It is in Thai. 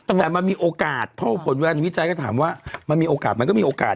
แต่มันมีโอกาสเพราะผลแวนวิจัยก็ถามว่ามันมีโอกาสมันก็มีโอกาส